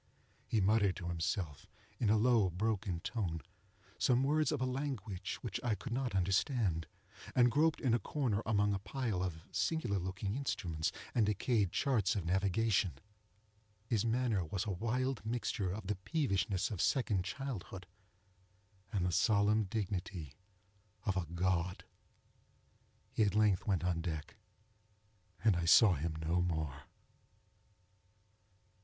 He muttered to himself, in a low broken tone, some words of a language which I could not understand, and groped in a corner among a pile of singular looking instruments, and decayed charts of navigation. His manner was a wild mixture of the peevishness of second childhood, and the solemn dignity of a God. He at length went on deck, and I saw him no more.